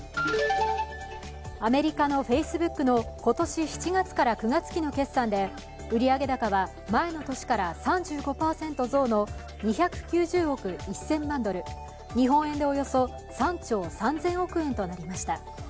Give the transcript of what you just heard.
アメリカのフェイスブックの今年７月から９月期の決算で売上高は前の年から３５％増の２９０億１０００万ドル、日本円でおよそ３兆３０００億円となりました。